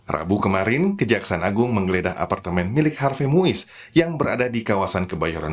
rabu kemarin kejaksaan agung menggeledah apartemen milik harvey muiz yang berada di kawasan kebayoran